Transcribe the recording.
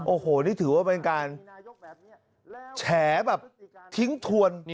โอ้โหนี่ถือว่าเป็นการแฉแบบทิ้งทวน